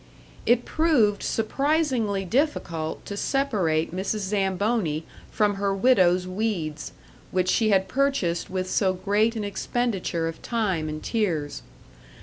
It proved surprisingly difficult to separate Mrs. Zamboni from her widow's weeds, which she had purchased with so great an expenditure of time and tears.